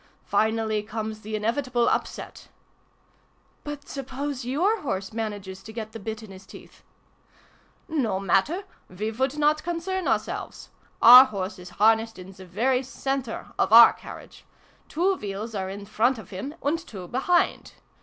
Finally comes the inevitable upset !"" But suppose your horse manages to get the bit in his teeth ?"" No matter ! We would not concern our selves. Our horse is harnessed in the very Vll] MEIN HERR. 109 centre of our carriage. Two wheels are in front of him, and two behind.